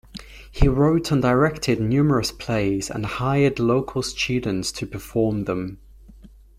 He wrote and directed numerous plays, and hired local students to perform them.